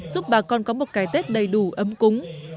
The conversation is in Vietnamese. giúp bà con có một cái tết đầy đủ ấm cúng